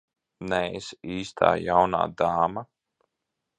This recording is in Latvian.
Neesi īstā jaunā dāma.